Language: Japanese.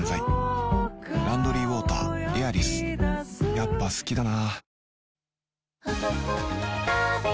やっぱ好きだな